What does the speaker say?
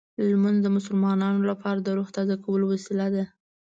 لمونځ د مسلمانانو لپاره د روح تازه کولو وسیله ده.